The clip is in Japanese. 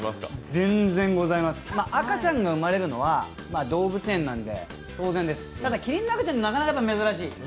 全然ございます、赤ちゃんが生まれるのは動物園なんで当然です、ただキリンの赤ちゃんはなかなか珍しい。